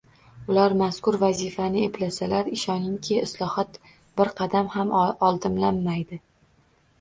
Ular mazkur «vazifa»ni eplasalar, ishoningki, islohot bir qadam ham odimlamaydi!